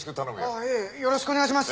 あいえよろしくお願いします。